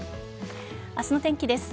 明日の天気です。